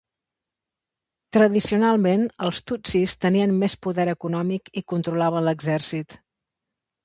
Tradicionalment, els tutsis tenien més poder econòmic i controlaven l'exèrcit.